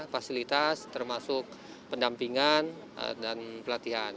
fasilitas termasuk pendampingan dan pelatihan